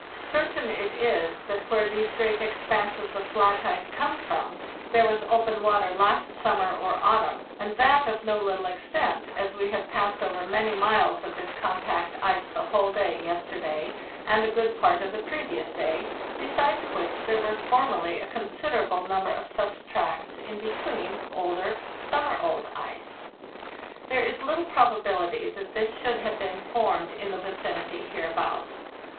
* Certain it is that where these great expanses of flat ice come from there was open water last summer or autumn, and that of no little extent, as we have passed over many miles of this compact ice the whole day yesterday and a good part of the previous day, besides which there were formerly a considerable number of such tracts in between older, summer old ice. There is little proba bility that this should have been formed in the vicinity hereabouts.